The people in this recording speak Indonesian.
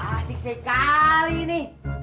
asik sekali ini